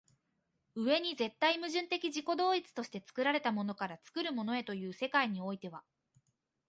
上に絶対矛盾的自己同一として作られたものから作るものへという世界においては